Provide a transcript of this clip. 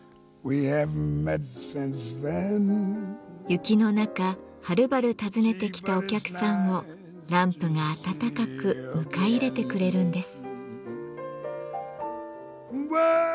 雪の中はるばる訪ねてきたお客さんをランプがあたたかく迎え入れてくれるんです。